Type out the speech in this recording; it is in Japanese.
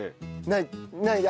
ない。